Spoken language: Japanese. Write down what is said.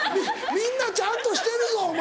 みんなちゃんとしてるぞお前。